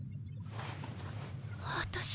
私。